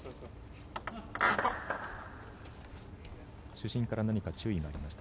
主審から何か注意がありました。